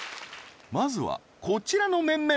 まずはこちらの面々